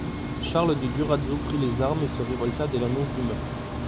Charles de Durazzo prit les armes et se révolta dès l'annonce du meurtre.